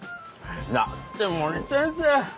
だって森先生